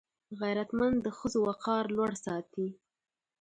غیرتمند د ښځو وقار لوړ ساتي